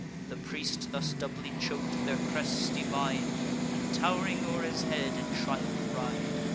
The priest thus doubly chok'd, their crests divide, And tow'ring o'er his head in triumph ride.